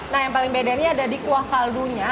nah yang paling beda ini ada di kuah kaldunya